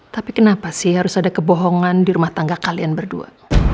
tapi kenapa sih harus ada kebohongan di rumah tangga kalian berdua